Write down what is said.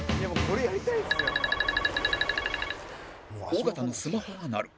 尾形のスマホが鳴る